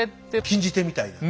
禁じ手みたいな。